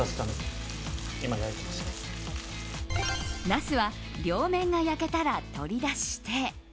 ナスは両面が焼けたら取り出して。